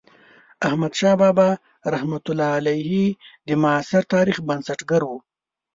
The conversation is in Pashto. احمدشاه بابا رحمة الله علیه د معاصر افغانستان بنسټګر و.